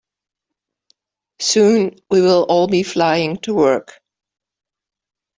Soon, we will all be flying to work.